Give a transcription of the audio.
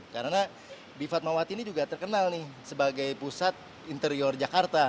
karena bifat mawat ini juga terkenal sebagai pusat interior jakarta